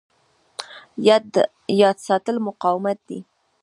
یاد ساتل مقاومت دی.